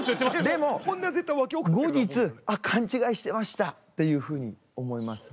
でも後日あっ勘違いしてましたっていうふうに思います。